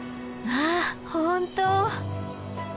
わあ本当！